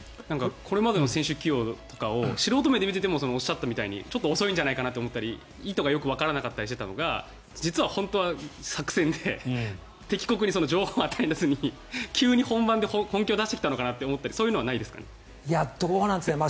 これまでの選手起用とかを素人目とかで見ていてもおっしゃったみたいにちょっと遅いんじゃないかって思ったり意図がよくわからなかったりしていたのが実は本当は作戦で敵国に情報を与えずに急に本番で本気を出してきたのかなとかどうなんですかね。